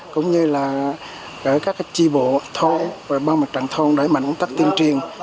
cũng như là các chi bộ thôn băng mặt trạng thôn đối mạnh tắc tiên triền